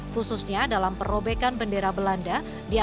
khususnya dalam perobekan bendera belanda